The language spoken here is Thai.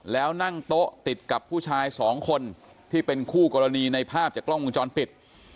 แล้วนั่งโต๊ะติดกับผู้ชายสองคนที่เป็นคู่กรณีในภาพจากกล้องวงจรปิด